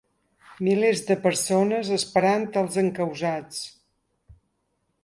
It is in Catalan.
Milers de persones esperant els encausats.